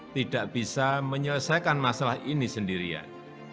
tidak bisa menyelesaikan masalah ini sendirian